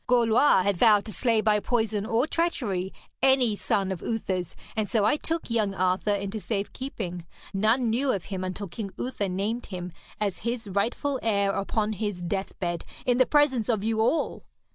Gorlois had vowed to slay by poison or treachery any son of Uther's, and so I took young Arthur into safe keeping. None knew of him until King Uther named him as his rightful heir upon his deathbed in the presence of you all.